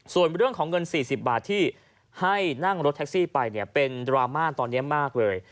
ส่วนเรื่องของเงิน๔๐บาทที่ให้นั่งรถแท็กซี่ไปเนี่ยเป็นดราม่าตอนนี้มากเลย